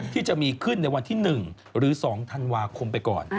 ที่จะมีขึ้นในวันที่๑หรือ๒ธันวาคมไปก่อน